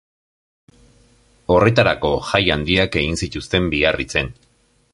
Horretarako jai handiak egin zituzten Biarritzen.